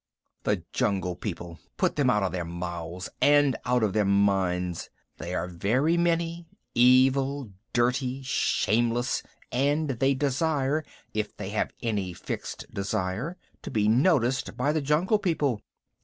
"The Jungle People put them out of their mouths and out of their minds. They are very many, evil, dirty, shameless, and they desire, if they have any fixed desire, to be noticed by the Jungle People.